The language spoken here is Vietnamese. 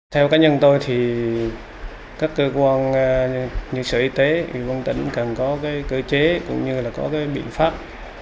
theo cá nhân tôi thì các cơ quan như sở y tế y văn tỉnh cần có cái cơ chế cũng như là có cái biện pháp